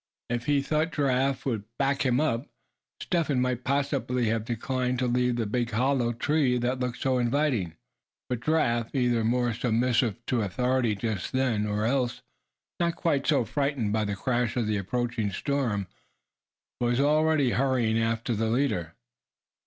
If he thought Giraffe would back him up, Step Hen might possibly have declined to leave the big hollow tree that looked so inviting to him. But Giraffe, either more submissive to authority just then, or else not quite so frightened by the crash of the approaching storm, was already hurrying after the leader.